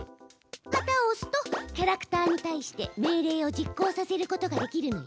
旗をおすとキャラクターにたいして命令を実行させることができるのよ！